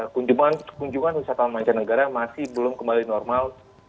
kunjungan wisatawan mancanegara masih belum kembali normal